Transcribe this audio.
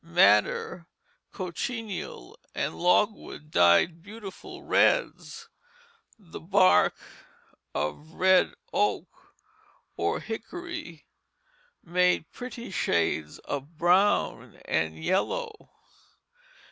Madder, cochineal, and logwood dyed beautiful reds. The bark of red oak or hickory made very pretty shades of brown and yellow.